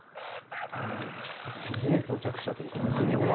無事到着したということですが。